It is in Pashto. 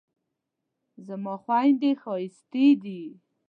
زما خویندې ښایستې دي